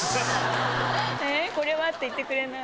「これは⁉」って言ってくれない。